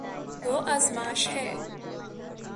وہ ازماش ہے